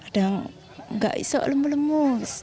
dan nggak isok lemu lemu